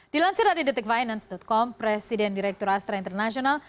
dilansir dari detikfinance com presiden direktur astra international